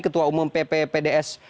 ketua umum pp pds